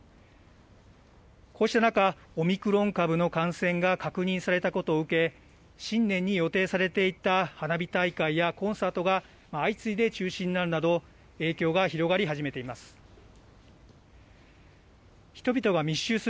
こうした中、オミクロン株の感染が確認されたことを受け、新年に予定されていた花火大会やコンサートが相次いで中止になるなど、影響が広がり始めています。